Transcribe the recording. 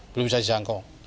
belum bisa dijangkau